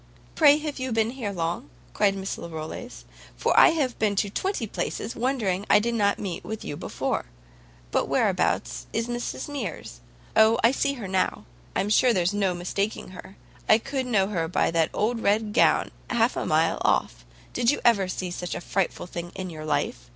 "Pray, have you been here long?" cried Miss Larolles, "for I have been to twenty places, wondering I did not meet with you before. But whereabouts is Mrs Mears? O, I see her now; I'm sure there's no mistaking her; I could know her by that old red gown half a mile off. Did you ever see such a frightful thing in your life?